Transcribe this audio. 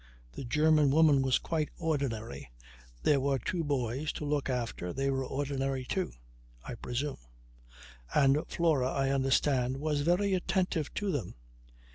The German woman was quite ordinary; there were two boys to look after; they were ordinary, too, I presume; and Flora, I understand, was very attentive to them.